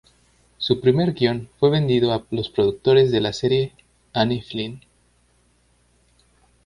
Su primer guion fue vendido a los productores de la serie Annie Flynn.